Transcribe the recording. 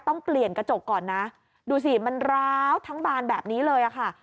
ต้องเปลี่ยนกระจกก่อนนะดูสิมันร้าวทั้งบานแบบนี้เลยค่ะ